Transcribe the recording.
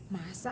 masa sih rama